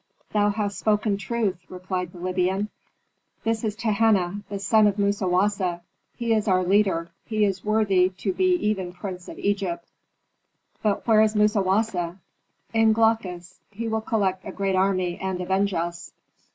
"Thou hast spoken truth," replied the Libyan. "This is Tehenna, the son of Musawasa; he is our leader; he is worthy to be even prince of Egypt." "But where is Musawasa?" "In Glaucus. He will collect a great army and avenge us."